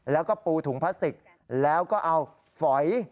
แล้วก็ปูถุงพลาสติกแล้วก็เอาฝอย